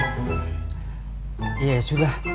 yang ini betulan